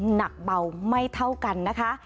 หนักเบาไม่เท่ากันนะคะ